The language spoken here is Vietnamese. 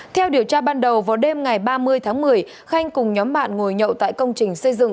theo điều tra ban đầu vào đêm ngày ba mươi tháng một mươi khanh cùng nhóm bạn ngồi nhậu tại công trình xây dựng